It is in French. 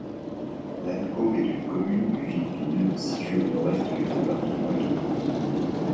Lannecaube est une commune du Vic-Bilh, située au nord-est du département et de Pau.